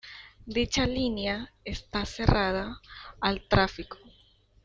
Dicha línea está cerrada al tráfico.